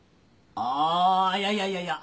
あいやいやいやいや。